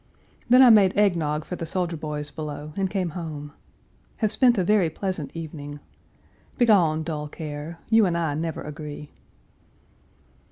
Then I made egg nog for the soldier boys below and came home. Have spent a very pleasant evening. Begone, dull care; you and I never agree.